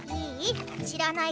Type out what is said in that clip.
いい？